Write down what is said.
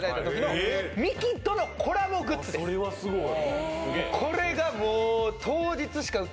それはすごい。